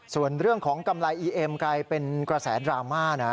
ส่วนเรื่องของกำไรอีเอ็มกลายเป็นกระแสดราม่านะ